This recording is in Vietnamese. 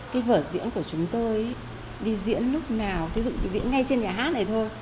cái vở diễn của chúng tôi đi diễn lúc nào ví dụ diễn ngay trên nhà hát này thôi